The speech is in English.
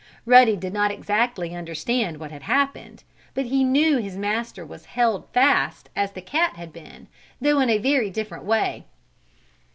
Ruddy did not exactly understand what had happened. But he knew his master was held fast as the cat had been, though in a different way.